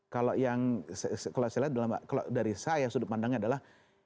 kalau yang kalau saya lihat kalau dari saya sudut pandangnya adalah